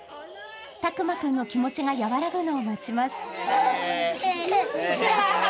巧眞君の気持ちが和らぐのを待ちます。